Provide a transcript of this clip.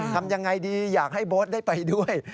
ทำยังไงดีอยากให้โบ๊ทได้ไปด้วย